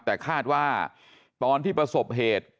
แต่คาดว่าตอนที่ประสบเหตุ